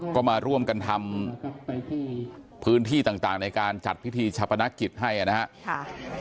ก็มาร่วมกันทำพื้นที่ต่างในการจัดพิธีชาปนกิจให้นะครับ